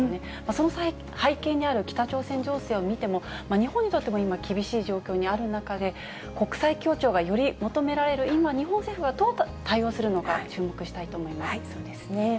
その背景にある北朝鮮情勢を見ても、日本にとっても今、厳しい状況にある中で、国際協調がより求められる今、日本政府はどう対応するのか、そうですね。